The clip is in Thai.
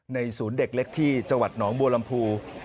ศูนย์เด็กเล็กที่จังหวัดหนองบัวลำพู